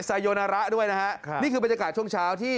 ไซโยนาระด้วยนะฮะนี่คือบรรยากาศช่วงเช้าที่